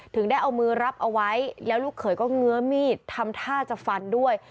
ถึงได้เอามือรับเอาไว้แล้วลูกเขยก็เงื้อมีดทำท่าจะฟันด้วย